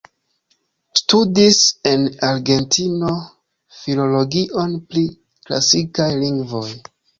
Studis en Argentino Filologion pri Klasikaj Lingvoj.